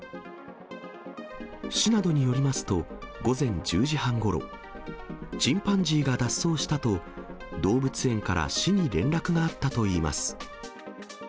市などによりますと、午前１０時半ごろ、チンパンジーが脱走したと、動物園から市に連絡があったといいます。